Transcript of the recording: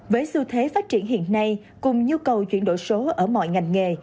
với xu thế phát triển hiện nay cùng nhu cầu chuyển đổi số ở mọi ngành nghề